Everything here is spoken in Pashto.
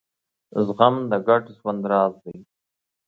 زغم د ګډ ژوند راز دی.